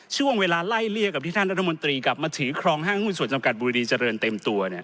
ช่วงเวลาไล่เลี่ยกับที่ท่านรัฐมนตรีกลับมาถือครองห้างหุ้นส่วนจำกัดบุรีเจริญเต็มตัว